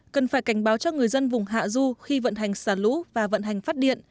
cần phải cảnh báo cho người dân vùng hạ du khi vận hành xả lũ và vận hành phát điện